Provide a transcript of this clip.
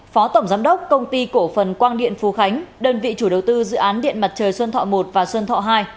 phó tổng giám đốc công ty cổ phần quang điện phú khánh đơn vị chủ đầu tư dự án điện mặt trời xuân thọ một và xuân thọ hai